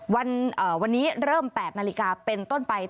วันอ่าวันนี้เริ่มแปดนาฬิกาเป็นต้นไป